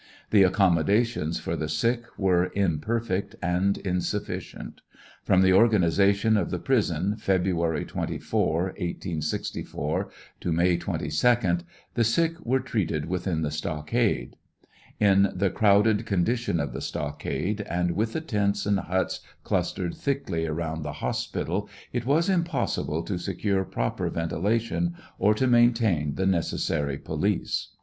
The accommodations for the sick were imperfect and insufficient. From the organization of the prison, February 24, 1864, to May 22, the sick were treated within the stockade. In the crowd ed condition of the stockade, and with the tents and huts clustered thickly around the hospital, it was impossible to secure proper venti lation or to maintain the necessary police.